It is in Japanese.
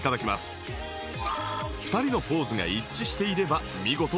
２人のポーズが一致していれば見事成功